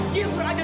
dia kurang ajar